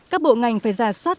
các bộ ngành phải giả soát